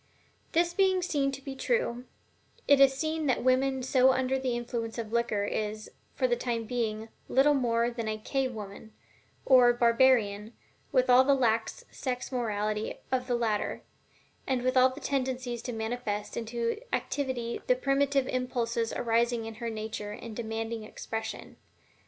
This being seen to be true, it is seen that the woman so under the influence of liquor is, for the time being, little more than a "cave woman," or barbarian, with all the lax sex morality of the latter, and with all the tendencies to manifest into activity the primitive impulses arising in her nature and demanding expression.